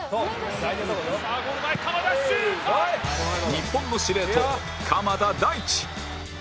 日本の司令塔鎌田大地